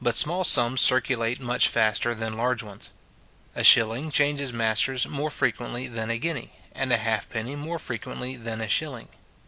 But small sums circulate much faster than large ones. A shilling changes masters more frequently than a guinea, and a halfpenny more frequently than a shilling.